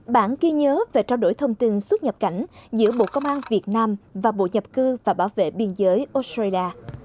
bản ghi nhớ về trao đổi thông tin xuất nhập cảnh giữa bộ công an việt nam và bộ nhập cư và bảo vệ biên giới australia